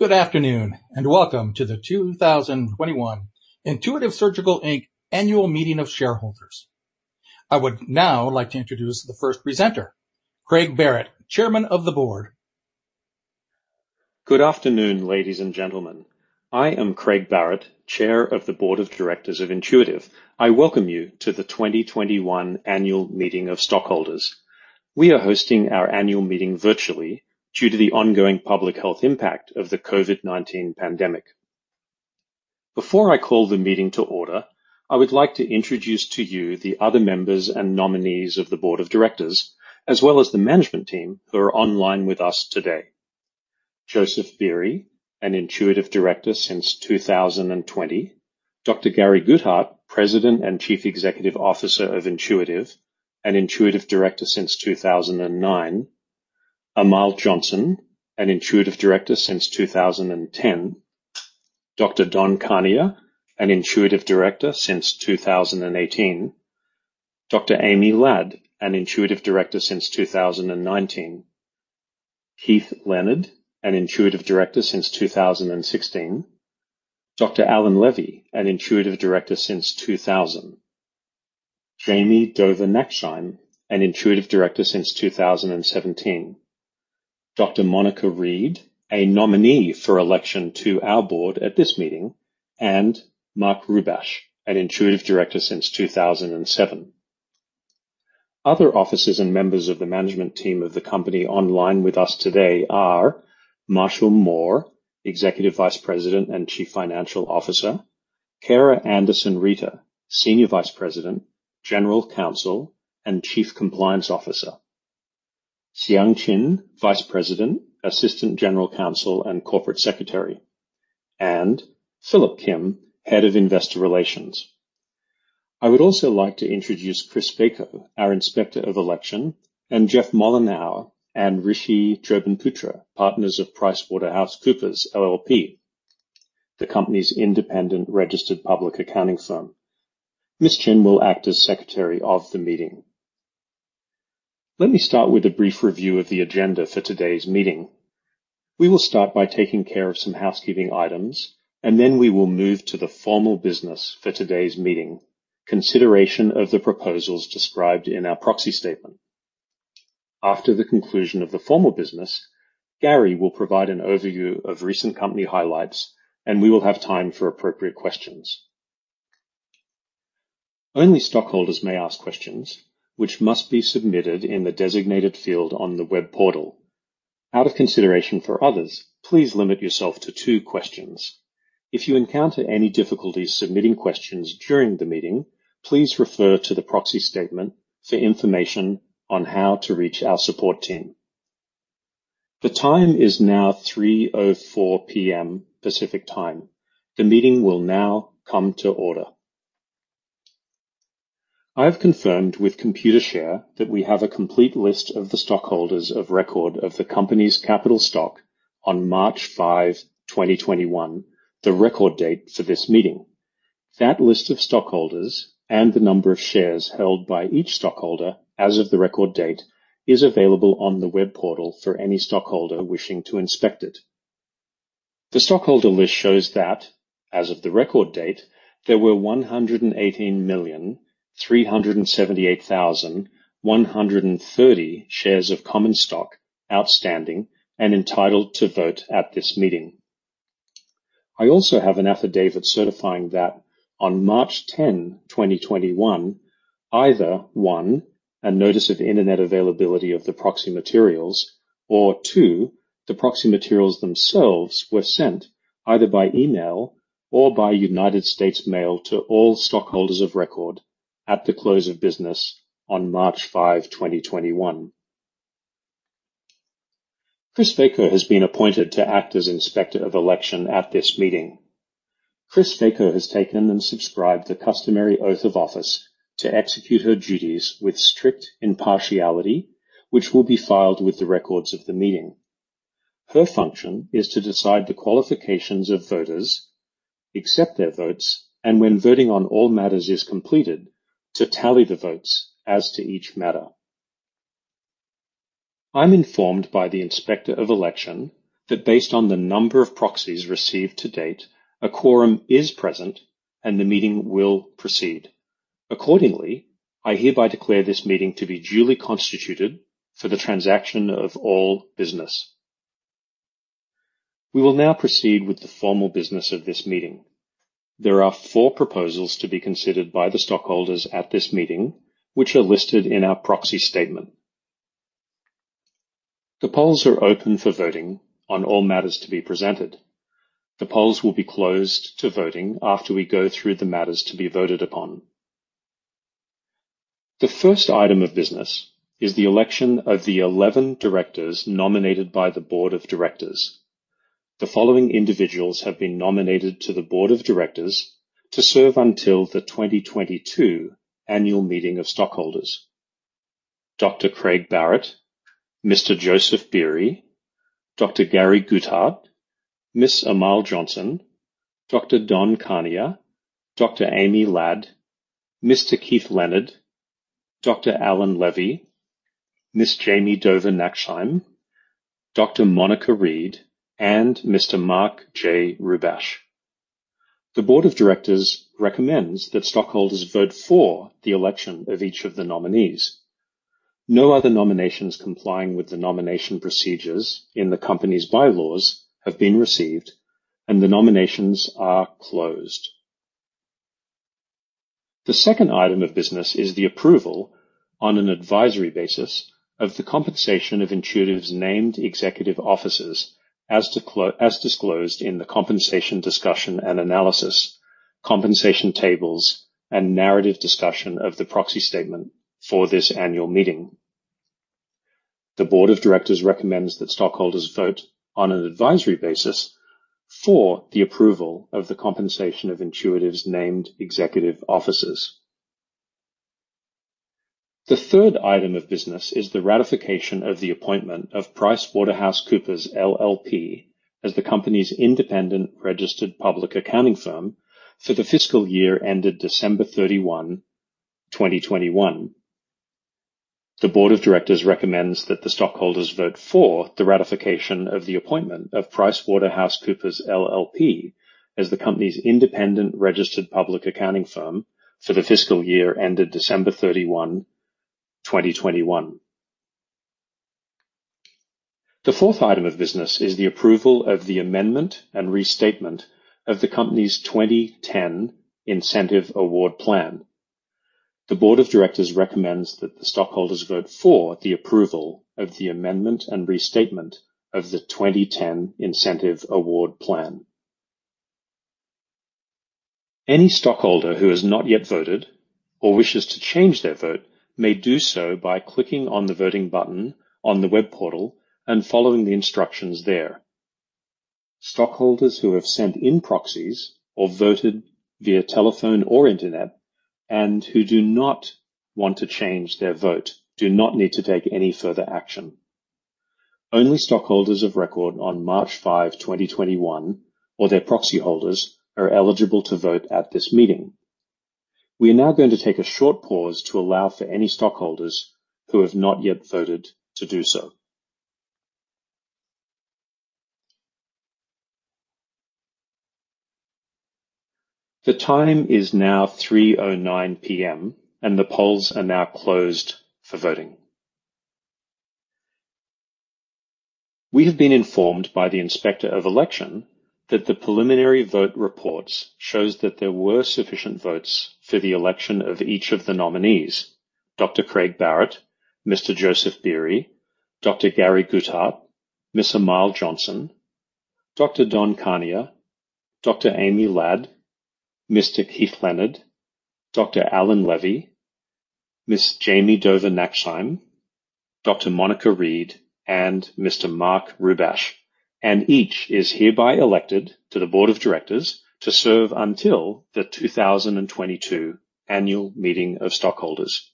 Good afternoon, and welcome to the 2021 Intuitive Surgical, Inc. Annual Meeting of Shareholders. I would now like to introduce the first presenter, Craig H. Barratt, Chairman of the Board. Good afternoon, ladies and gentlemen. I am Craig H. Barratt, chair of the board of directors of Intuitive. I welcome you to the 2021 Annual Meeting of Stockholders. We are hosting our annual meeting virtually due to the ongoing public health impact of the COVID-19 pandemic. Before I call the meeting to order, I would like to introduce to you the other members and nominees of the board of directors, as well as the management team who are online with us today. Joseph Beery, an Intuitive director since 2020. Dr. Gary Guthart, President and Chief Executive Officer of Intuitive, an Intuitive director since 2009. Amal Johnson, an Intuitive director since 2010. Dr. Don Kania, an Intuitive director since 2018. Dr. Amy Ladd, an Intuitive director since 2019. Keith Leonard, an Intuitive director since 2016. Dr. Alan Levy, an Intuitive director since 2000. Jami Dover Nachtsheim, an Intuitive director since 2017. Dr. Monica Reed, a nominee for election to our board at this meeting, and Mark Rubash, an Intuitive Director since 2007. Other officers and members of the management team of the company online with us today are Marshall Mohr, Executive Vice President and Chief Financial Officer. Kara Andersen Reiter, Senior Vice President, General Counsel, and Chief Compliance Officer. Xiang Chin, Vice President, Assistant General Counsel, and Corporate Secretary. Philip Kim, Head of Investor Relations. I would also like to introduce Chris Baker, our inspector of election, and Jeff Mollenhauer and Rishi Jobanputra, partners of PricewaterhouseCoopers LLP, the company's independent registered public accounting firm. Ms. Chin will act as secretary of the meeting. Let me start with a brief review of the agenda for today's meeting. We will start by taking care of some housekeeping items, and then we will move to the formal business for today's meeting, consideration of the proposals described in our proxy statement. After the conclusion of the formal business, Gary will provide an overview of recent company highlights, and we will have time for appropriate questions. Only stockholders may ask questions, which must be submitted in the designated field on the web portal. Out of consideration for others, please limit yourself to two questions. If you encounter any difficulties submitting questions during the meeting, please refer to the proxy statement for information on how to reach our support team. The time is now 3:04 P.M. Pacific Time. The meeting will now come to order. I have confirmed with Computershare that we have a complete list of the stockholders of record of the company's capital stock on March 5, 2021, the record date for this meeting. That list of stockholders and the number of shares held by each stockholder as of the record date is available on the web portal for any stockholder wishing to inspect it. The stockholder list shows that as of the record date, there were 118,378,130 shares of common stock outstanding and entitled to vote at this meeting. I also have an affidavit certifying that on March 10, 2021, either, one, a notice of Internet availability of the proxy materials, or two, the proxy materials themselves were sent either by email or by United States mail to all stockholders of record at the close of business on March 5, 2021. Chris Baker has been appointed to act as Inspector of Election at this meeting. Chris Baker has taken and subscribed the customary oath of office to execute her duties with strict impartiality, which will be filed with the records of the meeting. Her function is to decide the qualifications of voters, accept their votes, and when voting on all matters is completed, to tally the votes as to each matter. I'm informed by the inspector of election that based on the number of proxies received to date, a quorum is present, and the meeting will proceed. I hereby declare this meeting to be duly constituted for the transaction of all business. We will now proceed with the formal business of this meeting. There are four proposals to be considered by the stockholders at this meeting, which are listed in our proxy statement. The polls are open for voting on all matters to be presented. The polls will be closed to voting after we go through the matters to be voted upon. The first item of business is the election of the 11 directors nominated by the board of directors. The following individuals have been nominated to the board of directors to serve until the 2022 annual meeting of stockholders. Dr. Craig Barratt, Mr. Joseph Beery, Dr. Gary Guthart, Ms. Amal Johnson, Dr. Don Kania, Dr. Amy Ladd, Mr. Keith Leonard, Dr. Alan Levy, Ms. Jami Dover Nachtsheim, Dr. Monica Reed, and Mr. Mark J. Rubash. The board of directors recommends that stockholders vote for the election of each of the nominees. No other nominations complying with the nomination procedures in the company's bylaws have been received, and the nominations are closed. The second item of business is the approval on an advisory basis of the compensation of Intuitive's named executive officers, as disclosed in the compensation discussion and analysis, compensation tables, and narrative discussion of the proxy statement for this annual meeting. The board of directors recommends that stockholders vote on an advisory basis for the approval of the compensation of Intuitive's named executive officers. The third item of business is the ratification of the appointment of PricewaterhouseCoopers LLP as the company's independent registered public accounting firm for the fiscal year ended December 31, 2021. The board of directors recommends that the stockholders vote for the ratification of the appointment of PricewaterhouseCoopers LLP as the company's independent registered public accounting firm for the fiscal year ended December 31, 2021. The fourth item of business is the approval of the amendment and restatement of the company's 2010 Incentive Award Plan. The board of directors recommends that the stockholders vote for the approval of the amendment and restatement of the 2010 Incentive Award Plan. Any stockholder who has not yet voted or wishes to change their vote may do so by clicking on the voting button on the web portal and following the instructions there. Stockholders who have sent in proxies or voted via telephone or internet and who do not want to change their vote, do not need to take any further action. Only stockholders of record on March five, 2021 or their proxy holders are eligible to vote at this meeting. We are now going to take a short pause to allow for any stockholders who have not yet voted to do so. The time is now 3:09 P.M., and the polls are now closed for voting. We have been informed by the Inspector of Election that the preliminary vote reports shows that there were sufficient votes for the election of each of the nominees, Dr. Craig Barratt, Mr. Joseph Beery, Dr. Gary Guthart, Ms. Amal Johnson, Dr. Don Kania, Dr. Amy Ladd, Mr. Keith Leonard, Dr. Alan Levy, Ms. Jami Dover Nachtsheim, Dr. Monica Reed, and Mr. Mark Rubash, and each is hereby elected to the board of directors to serve until the 2022 annual meeting of stockholders.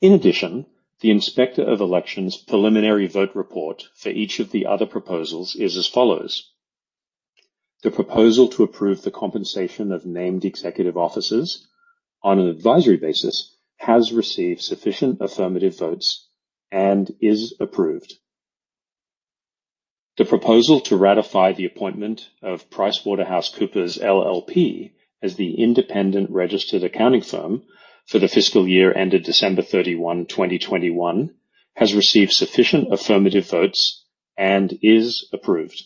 In addition, the Inspector of Election's preliminary vote report for each of the other proposals is as follows. The proposal to approve the compensation of named executive officers on an advisory basis has received sufficient affirmative votes and is approved. The proposal to ratify the appointment of PricewaterhouseCoopers LLP as the independent registered accounting firm for the fiscal year ended December 31, 2021, has received sufficient affirmative votes and is approved.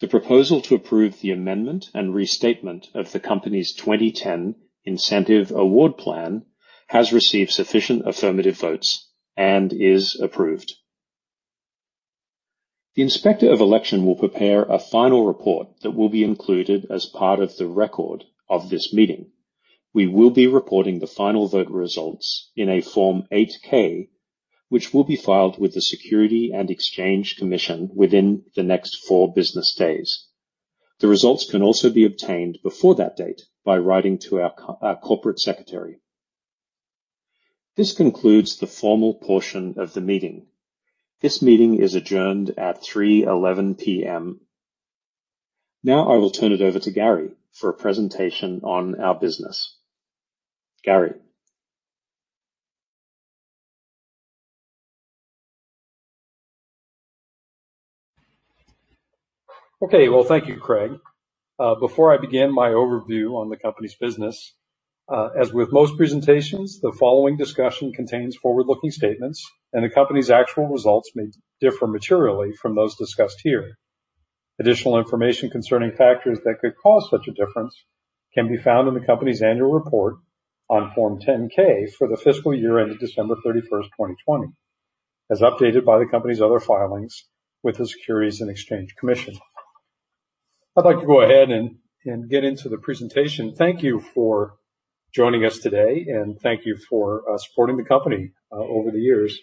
The proposal to approve the amendment and restatement of the company's 2010 Incentive Award Plan has received sufficient affirmative votes and is approved. The Inspector of Election will prepare a final report that will be included as part of the record of this meeting. We will be reporting the final vote results in a Form 8-K, which will be filed with the Securities and Exchange Commission within the next four business days. The results can also be obtained before that date by writing to our corporate secretary. This concludes the formal portion of the meeting. This meeting is adjourned at 3:11 P.M. Now I will turn it over to Gary for a presentation on our business. Gary? Okay. Well, thank you, Craig. Before I begin my overview on the company's business, as with most presentations, the following discussion contains forward-looking statements, and the company's actual results may differ materially from those discussed here. Additional information concerning factors that could cause such a difference can be found in the company's annual report on Form 10-K for the fiscal year ended December 31st, 2020, as updated by the company's other filings with the Securities and Exchange Commission. I'd like to go ahead and get into the presentation. Thank you for joining us today, and thank you for supporting the company over the years.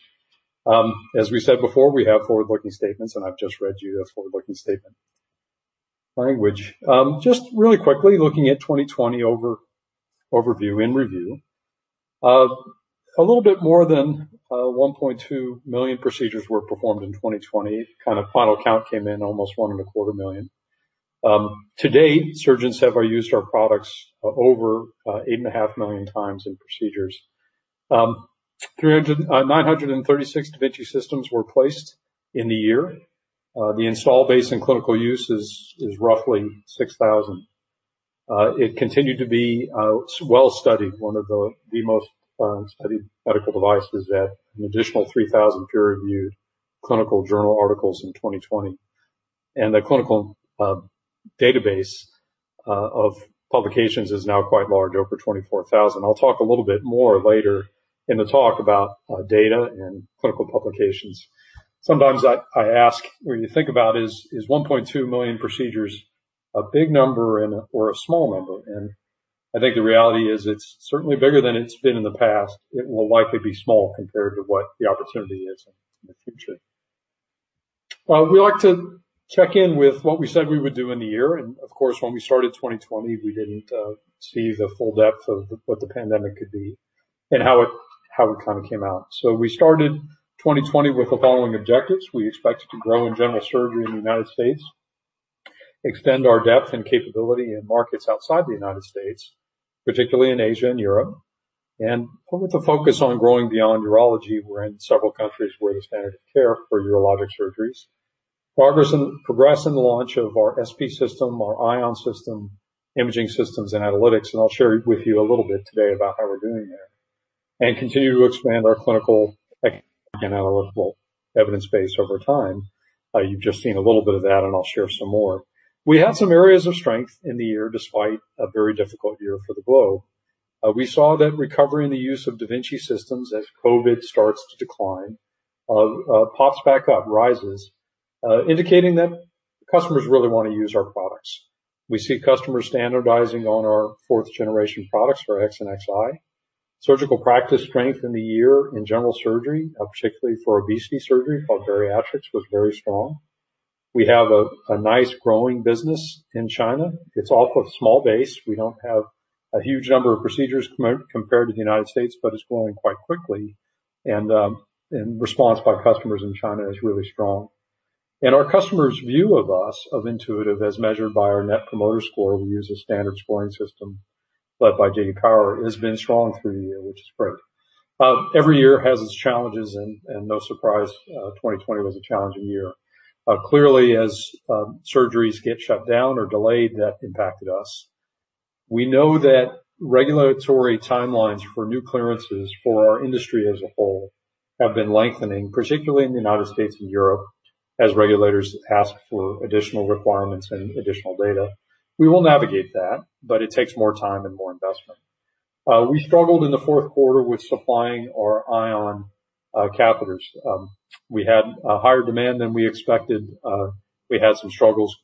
As we said before, we have forward-looking statements, and I've just read you a forward-looking statement language. Just really quickly, looking at 2020 overview and review. A little bit more than 1.2 million procedures were performed in 2020. Final count came in almost 1.25 million. To date, surgeons have used our products over 8.5 million times in procedures. 936 da Vinci systems were placed in the year. The install base in clinical use is roughly 6,000. It continued to be well-studied, one of the most studied medical devices. We had an additional 3,000 peer-reviewed clinical journal articles in 2020. The clinical database of publications is now quite large, over 24,000. I'll talk a little bit more later in the talk about data and clinical publications. Sometimes I ask, when you think about is 1.2 million procedures a big number or a small number? I think the reality is it's certainly bigger than it's been in the past. It will likely be small compared to what the opportunity is in the future. We like to check in with what we said we would do in the year. Of course, when we started 2020, we didn't see the full depth of what the pandemic could be and how it came out. We started 2020 with the following objectives. We expected to grow in general surgery in the United States. Extend our depth and capability in markets outside the United States, particularly in Asia and Europe. With a focus on growing beyond urology. We're in several countries where the standard of care for urologic surgeries. Progress in the launch of our SP system, our Ion system, imaging systems, and analytics, and I'll share with you a little bit today about how we're doing there. Continue to expand our clinical analytical evidence base over time. You've just seen a little bit of that, and I'll share some more. We had some areas of strength in the year, despite a very difficult year for the globe. We saw that recovery in the use of da Vinci systems as COVID starts to decline, pops back up, rises, indicating that customers really want to use our products. We see customers standardizing on our fourth generation products, our X and Xi. Surgical practice strength in the year in general surgery, particularly for obesity surgery, called bariatrics, was very strong. We have a nice growing business in China. It's off a small base. We don't have a huge number of procedures compared to the United States, but it's growing quite quickly, and response by customers in China is really strong. Our customers' view of us, of Intuitive, as measured by our Net Promoter Score, we use a standard scoring system led by J.D. Power, has been strong through the year, which is great. Every year has its challenges, and no surprise, 2020 was a challenging year. Clearly, as surgeries get shut down or delayed, that impacted us. We know that regulatory timelines for new clearances for our industry as a whole have been lengthening, particularly in the United States and Europe, as regulators ask for additional requirements and additional data. We will navigate that, but it takes more time and more investment. We struggled in the fourth quarter with supplying our Ion catheters. We had a higher demand than we expected. We had some struggles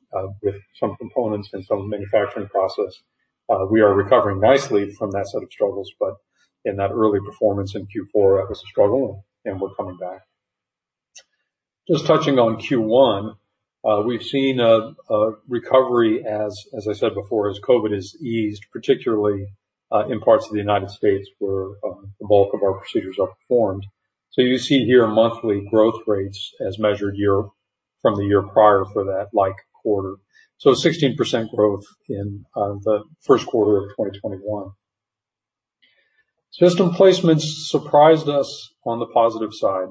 with some components and some of the manufacturing process. We are recovering nicely from that set of struggles, but in that early performance in Q4, that was a struggle, and we're coming back. Just touching on Q1, we've seen a recovery, as I said before, as COVID has eased, particularly in parts of the United States where the bulk of our procedures are performed. You see here monthly growth rates as measured from the year prior for that like quarter. 16% growth in the first quarter of 2021. System placements surprised us on the positive side.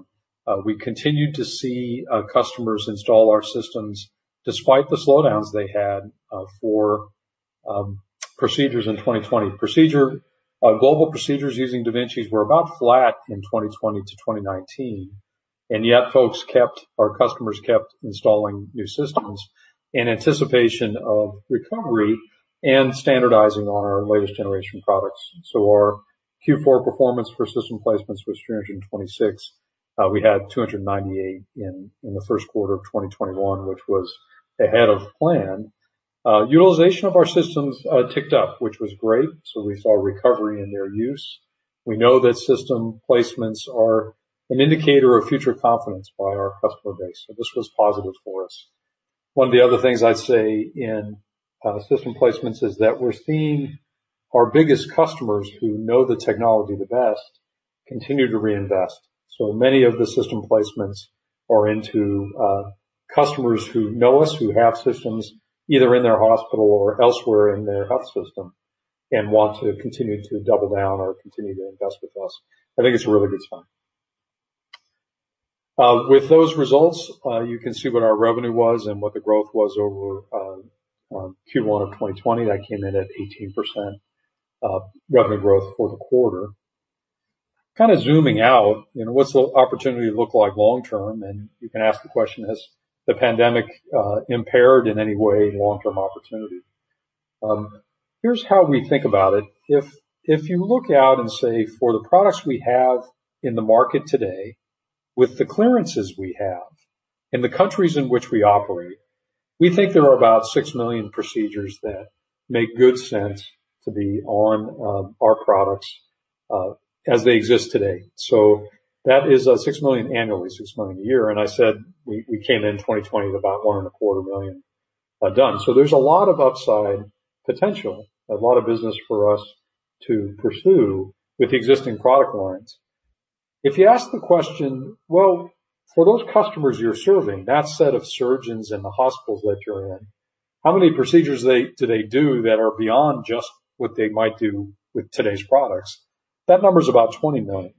We continued to see customers install our systems despite the slowdowns they had for procedures in 2020. Global procedures using da Vincis were about flat in 2020 to 2019, and yet our customers kept installing new systems in anticipation of recovery and standardizing on our latest generation products. Our Q4 performance for system placements was 326. We had 298 in the first quarter of 2021, which was ahead of plan. Utilization of our systems ticked up, which was great. We saw a recovery in their use. We know that system placements are an indicator of future confidence by our customer base. This was positive for us. One of the other things I'd say in system placements is that we're seeing our biggest customers who know the technology the best continue to reinvest. Many of the system placements are into customers who know us, who have systems either in their hospital or elsewhere in their health system and want to continue to double down or continue to invest with us. I think it's a really good sign. With those results, you can see what our revenue was and what the growth was over Q1 of 2020. That came in at 18% revenue growth for the quarter. Zooming out, what's the opportunity look like long-term? You can ask the question: Has the pandemic impaired in any way long-term opportunity? Here's how we think about it. If you look out and say for the products we have in the market today, with the clearances we have, in the countries in which we operate, we think there are about 6 million procedures that make good sense to be on our products as they exist today. That is a 6 million annually, 6 million a year, and I said we came in 2020 with about 1.25 million done. There's a lot of upside potential, a lot of business for us to pursue with existing product lines. If you ask the question, well, for those customers you're serving, that set of surgeons and the hospitals that you're in, how many procedures do they do that are beyond just what they might do with today's products? That number's about 20 million.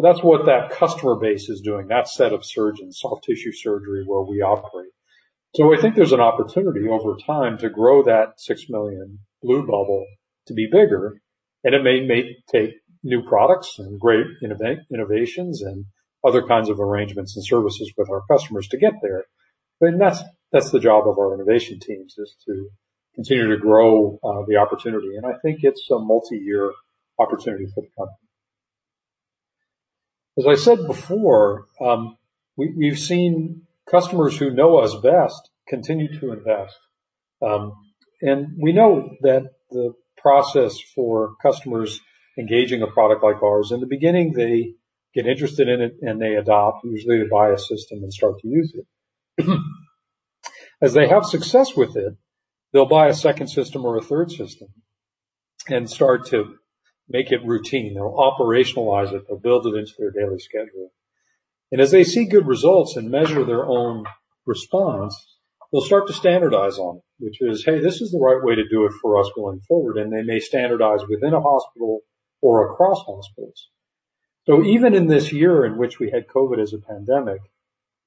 That's what that customer base is doing, that set of surgeons, soft tissue surgery, where we operate. I think there's an opportunity over time to grow that 6 million blue bubble to be bigger, and it may take new products and great innovations and other kinds of arrangements and services with our customers to get there. That's the job of our innovation teams, is to continue to grow the opportunity, and I think it's a multi-year opportunity for the company. As I said before, we've seen customers who know us best continue to invest. We know that the process for customers engaging a product like ours, in the beginning, they get interested in it and they adopt. Usually, they buy a system and start to use it. As they have success with it, they will buy a second system or a third system and start to make it routine. They will operationalize it. They will build it into their daily schedule. As they see good results and measure their own response, they will start to standardize on it, which is, "Hey, this is the right way to do it for us going forward." They may standardize within a hospital or across hospitals. Even in this year in which we had COVID as a pandemic,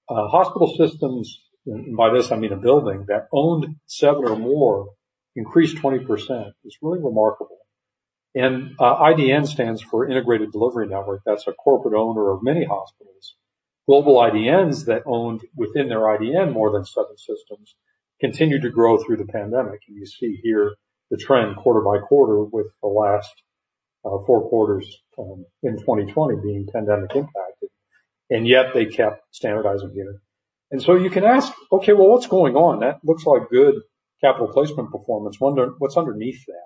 hospital systems, and by this I mean a building that owned seven or more, increased 20%. It is really remarkable. IDN stands for Integrated Delivery Network. That's a corporate owner of many hospitals. Global IDNs that owned within their IDN more than seven systems continued to grow through the pandemic. You see here the trend quarter by quarter with the last four quarters in 2020 being pandemic impacted, yet they kept standardizing here. You can ask, okay, well, what's going on? That looks like good capital placement performance. Wonder what's underneath that.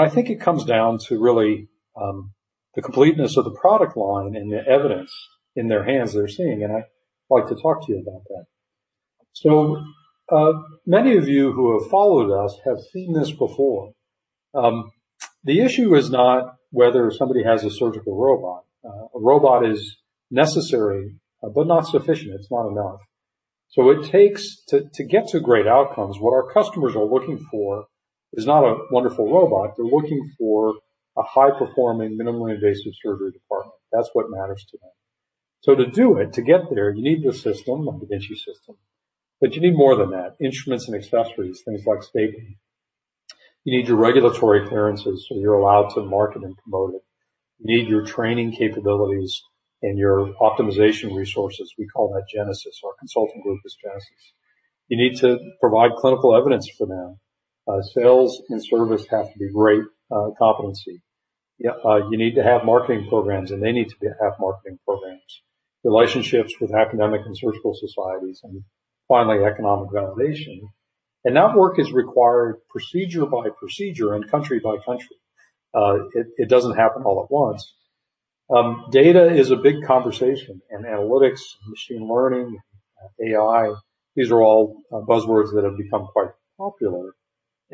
I think it comes down to really the completeness of the product line and the evidence in their hands they're seeing, and I'd like to talk to you about that. Many of you who have followed us have seen this before. The issue is not whether somebody has a surgical robot. A robot is necessary but not sufficient. It's not enough. To get to great outcomes, what our customers are looking for is not a wonderful robot. They're looking for a high-performing, minimally invasive surgery department. That's what matters to them. To do it, to get there, you need the system, a da Vinci system, but you need more than that. Instruments and accessories, things like stapling. You need your regulatory clearances, so you're allowed to market and promote it. You need your training capabilities and your optimization resources. We call that Genesis. Our consulting group is Genesis. You need to provide clinical evidence for them. Sales and service have to be great competency. You need to have marketing programs, and they need to have marketing programs. Relationships with academic and surgical societies and finally, economic validation. That work is required procedure by procedure and country by country. It doesn't happen all at once. Data is a big conversation, and analytics, machine learning, AI, these are all buzzwords that have become quite popular.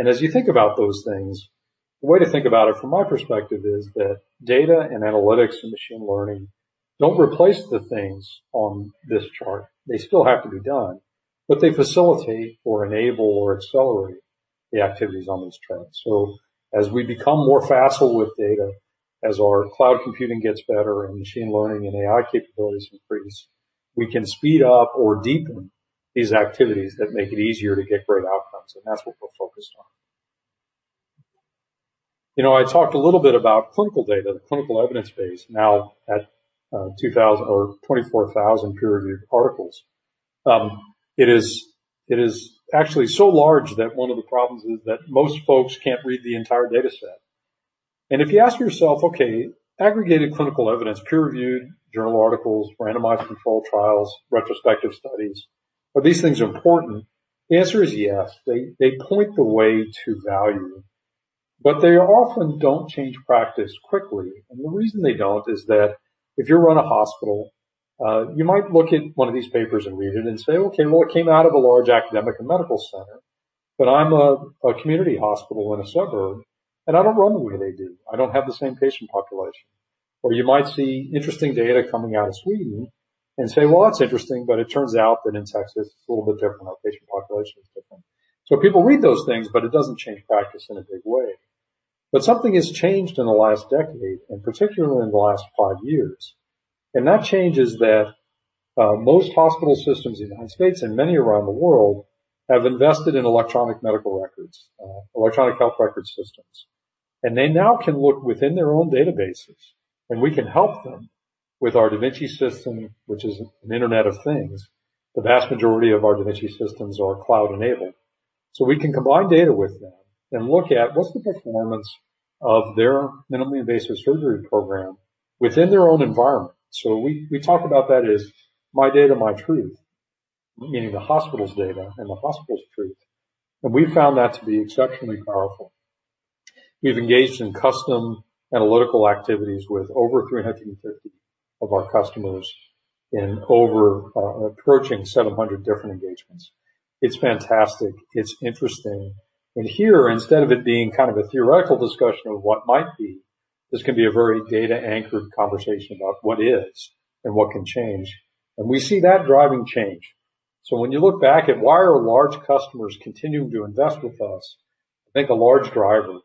As you think about those things, the way to think about it from my perspective is that data and analytics and machine learning don't replace the things on this chart. They still have to be done, they facilitate or enable or accelerate the activities on these trends. As we become more facile with data, as our cloud computing gets better and machine learning and AI capabilities increase, we can speed up or deepen these activities that make it easier to get great outcomes, and that's what we're focused on. I talked a little bit about clinical data, the clinical evidence base now at 24,000 peer-reviewed articles. It is actually so large that one of the problems is that most folks can't read the entire data set. If you ask yourself, okay, aggregated clinical evidence, peer-reviewed journal articles, randomized control trials, retrospective studies, are these things important? The answer is yes. They point the way to value, but they often don't change practice quickly. The reason they don't is that if you run a hospital, you might look at one of these papers and read it and say, "Okay, well, it came out of a large academic and medical center, but I'm a community hospital in a suburb, and I don't run the way they do. I don't have the same patient population." You might see interesting data coming out of Sweden and say, "Well, that's interesting, but it turns out that in Texas, it's a little bit different. Our patient population is different." People read those things, but it doesn't change practice in a big way. Something has changed in the last decade, and particularly in the last five years. That change is that most hospital systems in the U.S. and many around the world have invested in electronic medical records, electronic health record systems. They now can look within their own databases, and we can help them with our da Vinci system, which is an Internet of Things. The vast majority of our da Vinci systems are cloud enabled. We can combine data with them and look at what's the performance of their minimally invasive surgery program within their own environment. We talk about that as my data, my truth. Meaning the hospital's data and the hospital's truth. We found that to be exceptionally powerful. We've engaged in custom analytical activities with over 350 of our customers in over, approaching 700 different engagements. It's fantastic. It's interesting. Here, instead of it being a theoretical discussion of what might be, this can be a very data-anchored conversation about what is and what can change. We see that driving change. When you look back at why are large customers continuing to invest with us, I think a large driver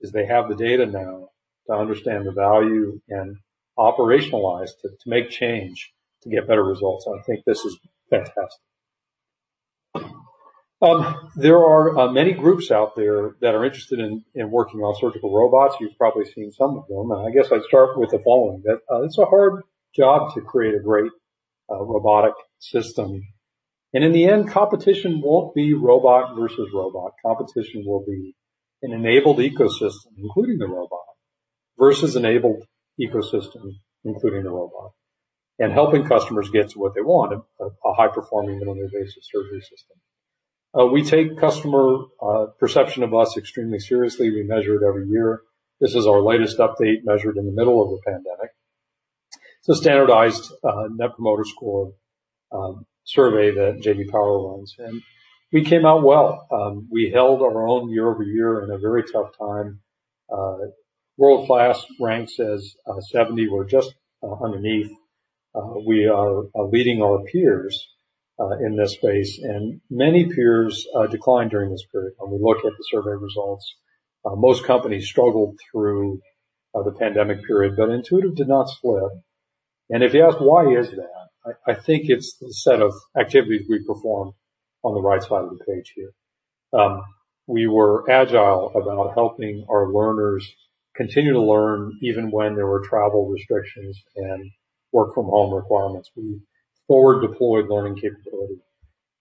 is they have the data now to understand the value and operationalize to make change to get better results. I think this is fantastic. There are many groups out there that are interested in working on surgical robots. You've probably seen some of them, and I guess I'd start with the following, that it's a hard job to create a great robotic system. In the end, competition won't be robot versus robot. Competition will be an enabled ecosystem, including the robot, versus enabled ecosystem, including the robot, and helping customers get to what they want, a high-performing minimally invasive surgery system. We take customer perception of us extremely seriously. We measure it every year. This is our latest update measured in the middle of the pandemic. It's a standardized Net Promoter Score survey that J.D. Power runs. We came out well. We held our own year-over-year in a very tough time. World Class ranks as 70. We're just underneath. We are leading our peers in this space. Many peers declined during this period. When we look at the survey results, most companies struggled through the pandemic period. Intuitive did not slip. If you ask, why is that? I think it's the set of activities we performed on the right side of the page here. We were agile about helping our learners continue to learn, even when there were travel restrictions and work-from-home requirements. We forward deployed learning capability.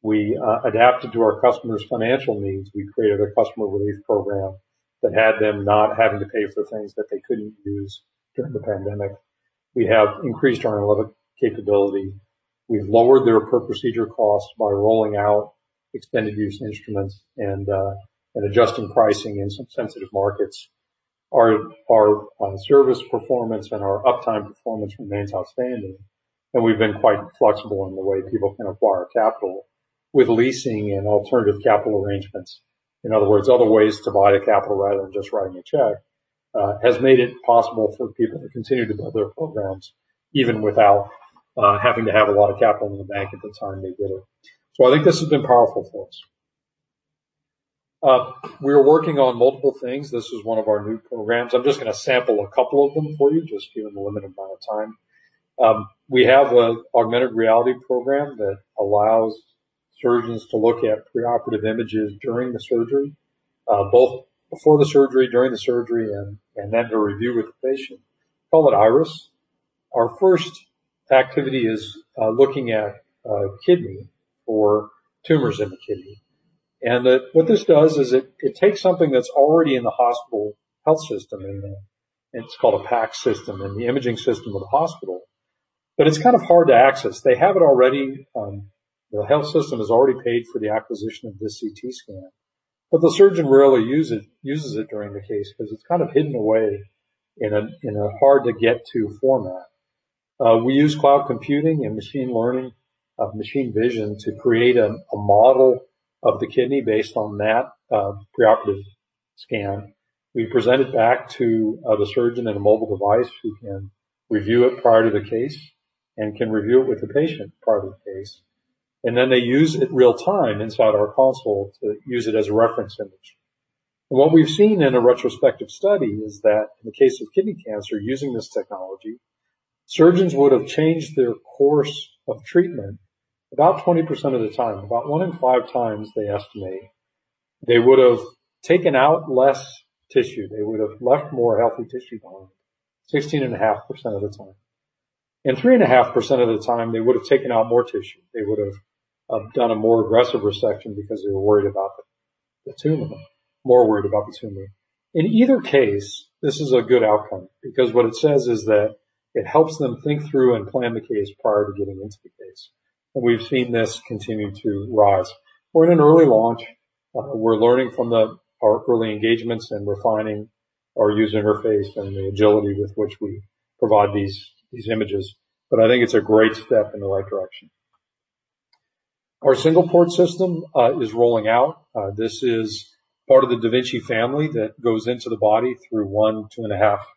We adapted to our customers' financial needs. We created a customer relief program that had them not having to pay for things that they couldn't use during the pandemic. We have increased our analytic capability. We've lowered their per-procedure cost by rolling out extended use instruments and adjusting pricing in some sensitive markets. Our service performance and our uptime performance remains outstanding, and we've been quite flexible in the way people can acquire capital with leasing and alternative capital arrangements. In other words, other ways to buy the capital rather than just writing a check has made it possible for people to continue to build their programs even without having to have a lot of capital in the bank at the time they get it. I think this has been powerful for us. We are working on multiple things. This is one of our new programs. I'm just going to sample a couple of them for you, just given the limited amount of time. We have an augmented reality program that allows surgeons to look at preoperative images during the surgery, both before the surgery, during the surgery, and then to review with the patient. We call it IRIS. Our first activity is looking at a kidney for tumors in the kidney. What this does is it takes something that's already in the hospital health system, and it's called a PACS system, and the imaging system of the hospital, but it's hard to access. They have it already. The health system has already paid for the acquisition of this CT scan, but the surgeon rarely uses it during the case because it's hidden away in a hard-to-get format. We use cloud computing and machine learning, machine vision, to create a model of the kidney based on that preoperative scan. We present it back to the surgeon in a mobile device who can review it prior to the case and can review it with the patient prior to the case, and then they use it real-time inside our console to use it as a reference image. What we've seen in a retrospective study is that in the case of kidney cancer, using this technology, surgeons would have changed their course of treatment about 20% of the time. About one in five times, they estimate, they would have taken out less tissue. They would have left more healthy tissue behind 16.5% of the time. 3.5% of the time, they would have taken out more tissue. They would have done a more aggressive resection because they were worried about the tumor, more worried about the tumor. In either case, this is a good outcome because what it says is that it helps them think through and plan the case prior to getting into the case. We've seen this continue to rise. We're in an early launch. We're learning from our early engagements and refining our user interface and the agility with which we provide these images, but I think it's a great step in the right direction. Our single-port system is rolling out. This is part of the da Vinci family that goes into the body through one two and a half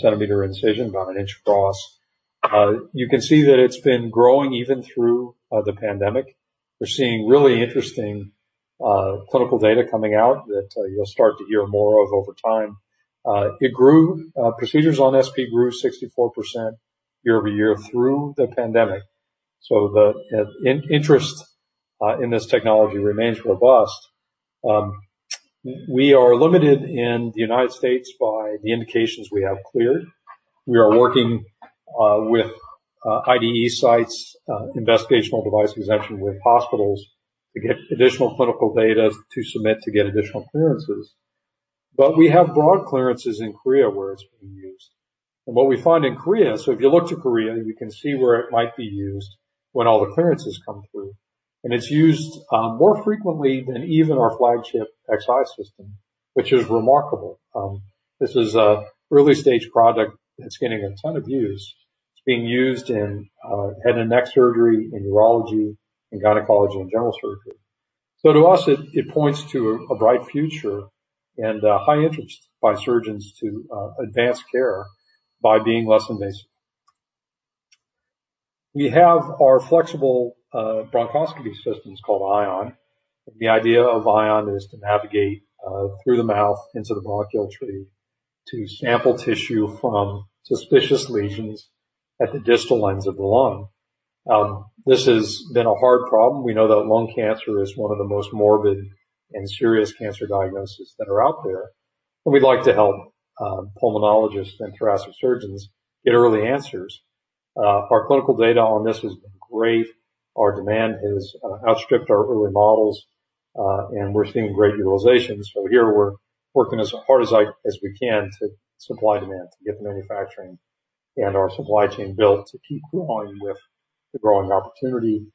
centimeter incision, about an inch across. You can see that it's been growing even through the pandemic. We're seeing really interesting clinical data coming out that you'll start to hear more of over time. It grew. Procedures on SP grew 64% year-over-year through the pandemic. The interest in this technology remains robust. We are limited in the U.S. by the indications we have cleared. We are working with IDE sites, investigational device exemption with hospitals to get additional clinical data to submit to get additional clearances. We have broad clearances in Korea where it's being used. What we find in Korea, if you look to Korea, you can see where it might be used when all the clearances come through. It's used more frequently than even our flagship Xi system, which is remarkable. This is an early-stage product that's getting a ton of use. It's being used in head and neck surgery, in urology, in gynecology, and general surgery. To us, it points to a bright future and high interest by surgeons to advance care by being less invasive. We have our flexible bronchoscopy systems called Ion. The idea of Ion is to navigate through the mouth into the bronchial tree to sample tissue from suspicious lesions at the distal ends of the lung. This has been a hard problem. We know that lung cancer is one of the most morbid and serious cancer diagnoses that are out there, and we'd like to help pulmonologists and thoracic surgeons get early answers. Our clinical data on this has been great. Our demand has outstripped our early models, and we're seeing great utilization. Here we're working as hard as we can to supply demand, to get manufacturing and our supply chain built to keep growing with the growing opportunity.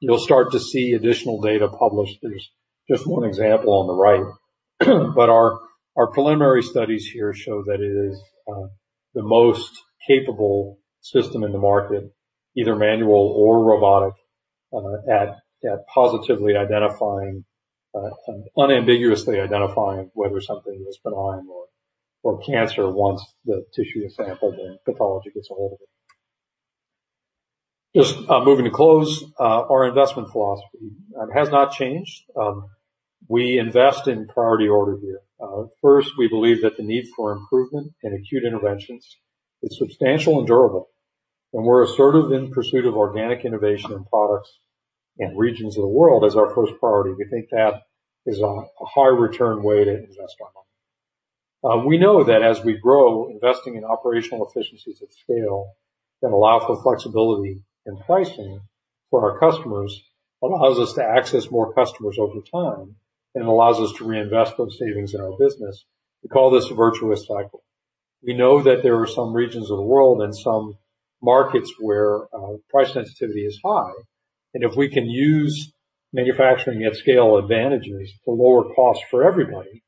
You'll start to see additional data published. There's just one example on the right. Our preliminary studies here show that it is the most capable system in the market, either manual or robotic, at positively identifying, unambiguously identifying whether something is benign or cancer once the tissue is sampled and pathology gets a hold of it. Just moving to close. Our investment philosophy has not changed. We invest in priority order here. First, we believe that the need for improvement in acute interventions is substantial and durable, and we're assertive in pursuit of organic innovation in products and regions of the world as our first priority. We think that is a high return way to invest our money. We know that as we grow, investing in operational efficiencies at scale that allow for flexibility in pricing for our customers allows us to access more customers over time and allows us to reinvest those savings in our business. We call this a virtuous cycle. We know that there are some regions of the world and some markets where price sensitivity is high, and if we can use manufacturing at scale advantages to lower costs for everybody,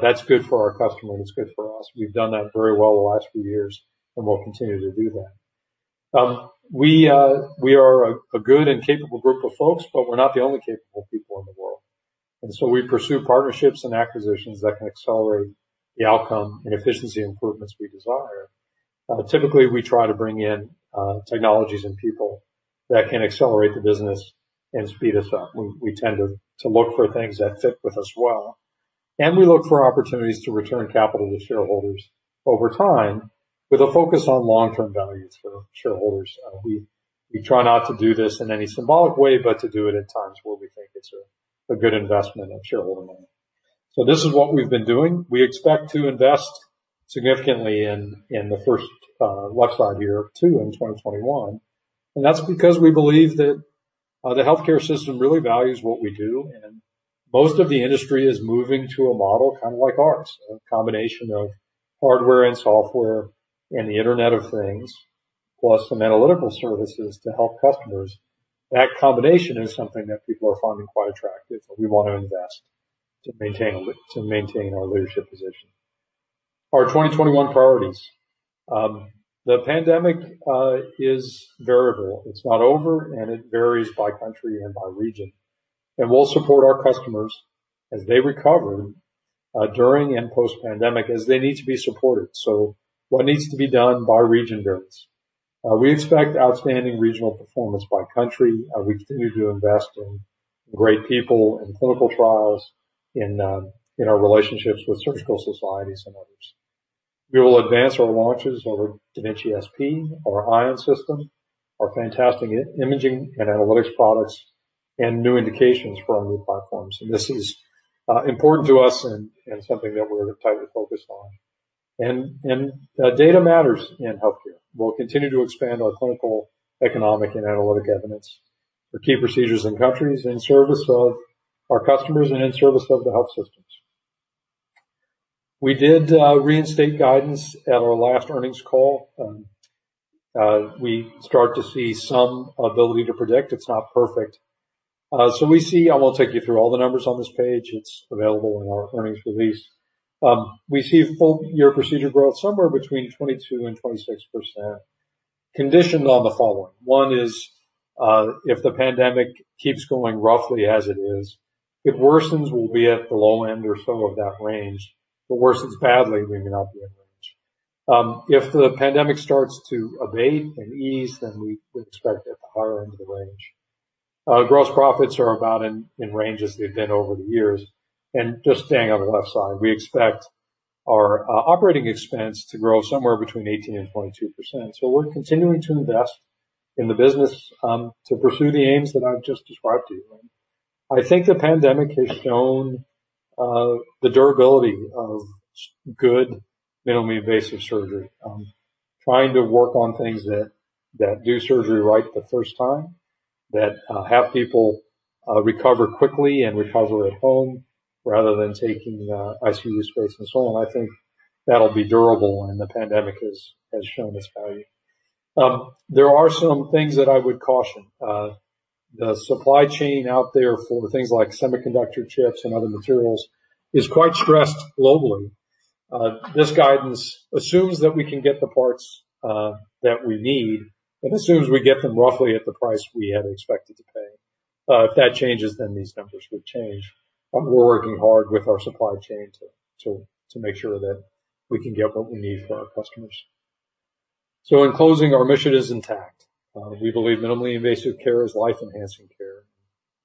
that's good for our customer, and it's good for us. We've done that very well the last few years, and we'll continue to do that. We are a good and capable group of folks. We're not the only capable people in the world. We pursue partnerships and acquisitions that can accelerate the outcome and efficiency improvements we desire. Typically, we try to bring in technologies and people that can accelerate the business and speed us up. We tend to look for things that fit with us well, we look for opportunities to return capital to shareholders over time with a focus on long-term value for shareholders. We try not to do this in any symbolic way, to do it at times where we think it's a good investment of shareholder money. This is what we've been doing. We expect to invest significantly in the first left side here, two, in 2021. That's because we believe that the healthcare system really values what we do and most of the industry is moving to a model kind of like ours, a combination of hardware and software and the Internet of Things, plus some analytical services to help customers. That combination is something that people are finding quite attractive, so we want to invest to maintain our leadership position. Our 2021 priorities. The pandemic is variable. It's not over, and it varies by country and by region. We'll support our customers as they recover during and post-pandemic as they need to be supported. What needs to be done by region varies. We expect outstanding regional performance by country. We continue to invest in great people, in clinical trials, in our relationships with surgical societies and others. We will advance our launches of our da Vinci SP, our Ion system, our fantastic imaging and analytics products, and new indications for our new platforms. This is important to us and something that we're tightly focused on. Data matters in healthcare. We'll continue to expand our clinical, economic, and analytic evidence for key procedures in countries in service of our customers and in service of the health systems. We did reinstate guidance at our last earnings call. We start to see some ability to predict. It's not perfect. I won't take you through all the numbers on this page. It's available in our earnings release. We see full year procedure growth somewhere between 22% and 26%, conditioned on the following. One is, if the pandemic keeps going roughly as it is. It worsens, we'll be at the low end or so of that range. It worsens badly, we may not be in range. If the pandemic starts to abate and ease, then we would expect at the higher end of the range. Gross profits are about in ranges they've been over the years. Just staying on the left side, we expect our operating expense to grow somewhere between 18% and 20%. We're continuing to invest in the business to pursue the aims that I've just described to you. I think the pandemic has shown the durability of good minimally invasive surgery, trying to work on things that do surgery right the first time, that have people recover quickly and recover at home rather than taking ICU space and so on. I think that'll be durable, and the pandemic has shown its value. There are some things that I would caution. The supply chain out there for things like semiconductor chips and other materials is quite stressed globally. This guidance assumes that we can get the parts that we need, and assumes we get them roughly at the price we had expected to pay. If that changes, then these numbers would change, but we're working hard with our supply chain to make sure that we can get what we need for our customers. In closing, our mission is intact. We believe minimally invasive care is life-enhancing care.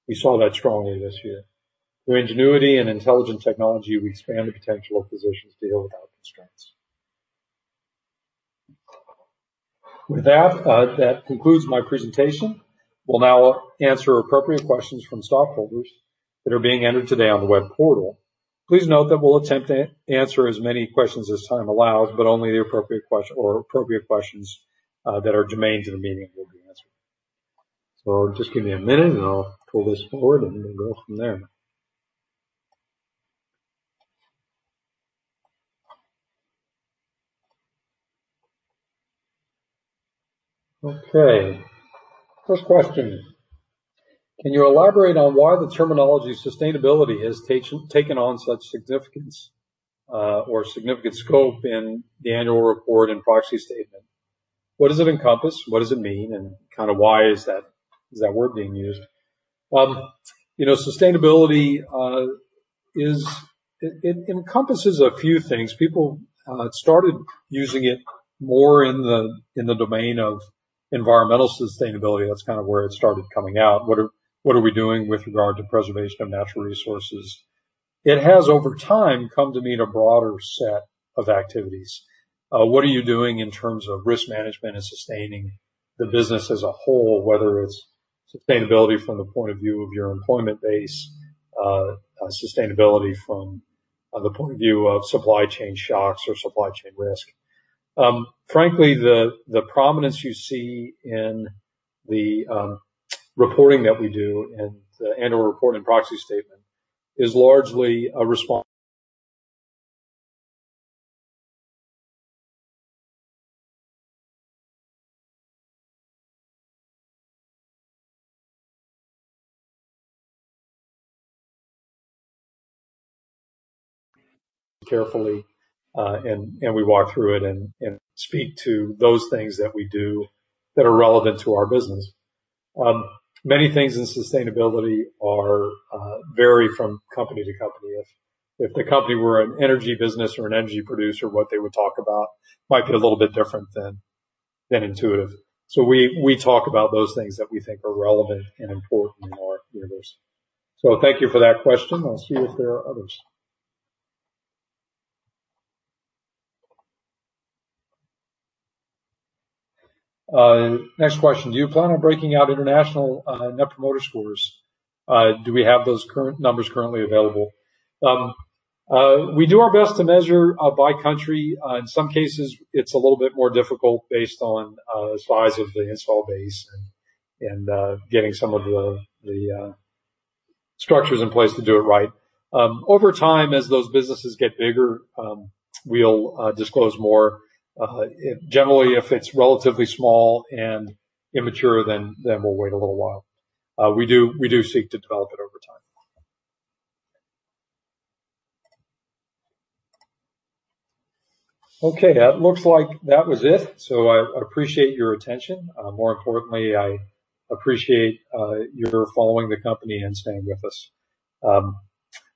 We saw that strongly this year. Through ingenuity and intelligent technology, we expand the potential of physicians to deal with our constraints. With that concludes my presentation. We'll now answer appropriate questions from stockholders that are being entered today on the web portal. Please note that we'll attempt to answer as many questions as time allows, but only the appropriate questions that are germane to the meeting will be answered. Just give me a minute, and I'll pull this forward, and then we'll go from there. Okay, first question: "Can you elaborate on why the terminology sustainability has taken on such significance or significant scope in the annual report and proxy statement? What does it encompass? What does it mean? Kind of why is that word being used?" Sustainability, it encompasses a few things. People started using it more in the domain of environmental sustainability. That's kind of where it started coming out. What are we doing with regard to preservation of natural resources? It has, over time, come to mean a broader set of activities. What are you doing in terms of risk management and sustaining the business as a whole, whether it's sustainability from the point of view of your employment base, sustainability from the point of view of supply chain shocks or supply chain risk. Frankly, the prominence you see in the reporting that we do in the annual report and proxy statement is largely a response carefully, and we walk through it and speak to those things that we do that are relevant to our business. Many things in sustainability vary from company to company. If the company were an energy business or an energy producer, what they would talk about might be a little bit different than Intuitive. We talk about those things that we think are relevant and important in our universe. Thank you for that question. I'll see if there are others. Next question: "Do you plan on breaking out international Net Promoter Scores?" Do we have those numbers currently available? We do our best to measure by country. In some cases, it's a little bit more difficult based on the size of the install base and getting some of the structures in place to do it right. Over time, as those businesses get bigger, we'll disclose more. Generally, if it's relatively small and immature, then we'll wait a little while. We do seek to develop it over time. Okay. That looks like that was it. I appreciate your attention. More importantly, I appreciate your following the company and staying with us.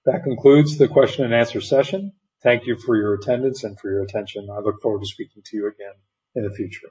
That concludes the question and answer session. Thank you for your attendance and for your attention. I look forward to speaking to you again in the future.